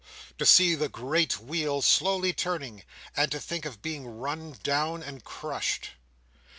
To see the great wheels slowly turning, and to think of being run down and crushed!